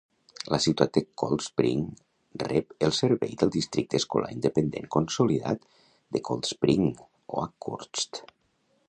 La ciutat de Coldspring rep el servei del districte escolar independent consolidat de Coldspring-Oakhurst.